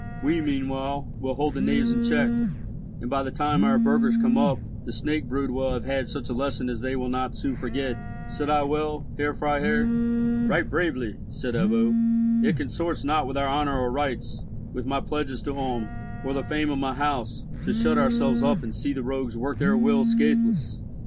We meanwhile will hold the knaves in check, and, by the time our burghers come up, the snake brood will have had such a lesson as they will not soon forget. Said I well, Herr Freiherr?" "Right bravely," said Ebbo. "It consorts not with our honour or rights, with my pledges to Ulm, or the fame of my house, to shut ourselves up and see the rogues work their will scatheless.